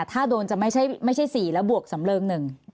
ถ้าโดนจะไม่ใช่๔แล้วบวกสำเริง๑